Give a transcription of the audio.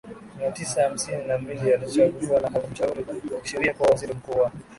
mia tisa hamsini na mbili alichaguliwa na Halmashauri ya Kisheria kuwa waziri mkuu wa